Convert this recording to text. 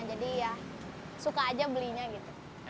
jadi ya suka aja belinya gitu